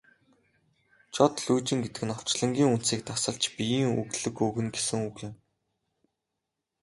Жод лүйжин гэдэг нь орчлонгийн үндсийг тасалж биеийн өглөг өгнө гэсэн үг юм.